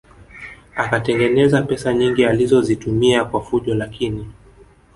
Akatengeneza pesa nyingi alizozitumia kwa fujo lakini